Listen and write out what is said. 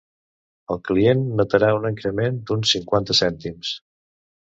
El client notarà un increment d’uns cinquanta cèntims.